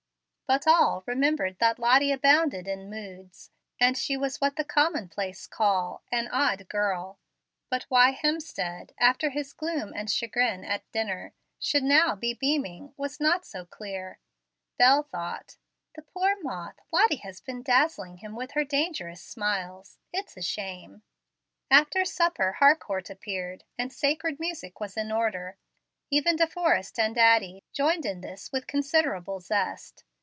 But all remembered that Lottie abounded in moods, and she was what the commonplace call "an odd girl." But why Hemstead, after his gloom and chagrin at dinner, should now be beaming, was not so clear. Bel thought, "The poor moth! Lottie has been dazzling him with her dangerous smiles. It's a shame." After supper Harcourt appeared, and sacred music was in order. Even De Forrest and Addie joined in this with considerable zest.